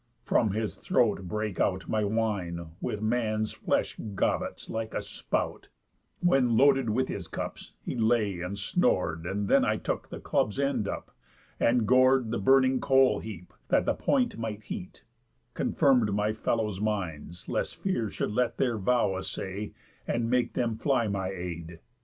From his throat brake out My wine, with man's flesh gobbets, like a spout, When, loaded with his cups, he lay and snor'd; And then took I the club's end up, and gor'd The burning coal heap, that the point might heat; Confirm'd my fellow's minds, lest Fear should let Their vow'd assay, and make them fly my aid.